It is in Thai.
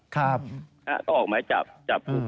ต้องออกหมายจับจับ